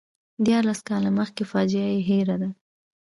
دیارلس کاله مخکې فاجعه یې هېره ده.